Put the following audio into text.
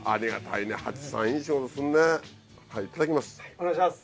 いただきます。